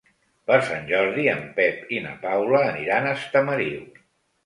Per Sant Jordi en Pep i na Paula aniran a Estamariu.